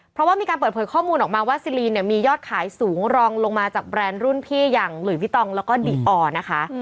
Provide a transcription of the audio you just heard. เพราะว่ามีการเปิดเผยข้อมูลออกมาว่าซิลีนเนี่ยมียอดขายสูงรองลงมาจากแบรนด์รุ่นพี่อย่างหลุยพี่ตองแล้วก็ดีออร์นะคะ